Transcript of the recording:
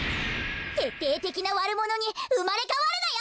てっていてきなわるものにうまれかわるのよ！